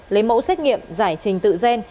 lấy mẫu xét nghiệm giải trình tự gen